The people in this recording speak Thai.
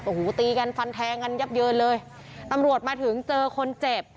โอ้โหตีกันฟันแทงกันยับเยินเลยตำรวจมาถึงเจอคนเจ็บ